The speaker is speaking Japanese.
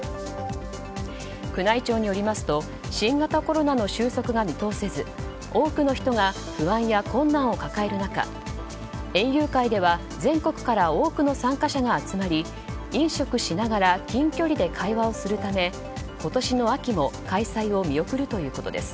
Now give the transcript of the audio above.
宮内庁によりますと新型コロナの収束が見通せず多くの人が不安や困難を抱える中園遊会では全国から多くの参加者が集まり飲食しながら近距離で会話をするため今年の秋も開催を見送るということです。